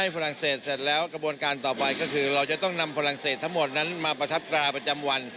กระบวนการต่อไปก็คือเราจะต้องนำพลังเศษทั้งหมดนั้นมาประทับกราบประจำวัน